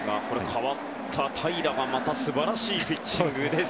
代わった平良がすばらしいピッチング。